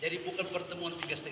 jadi bukan pertemuan tiga lima jam